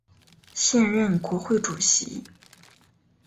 现任国会主席。